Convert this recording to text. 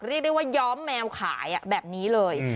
เรียกได้ว่าย้อมแมวขายแบบนี้เลย